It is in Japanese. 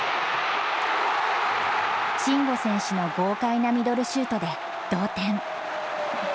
慎吾選手の豪快なミドルシュートで同点。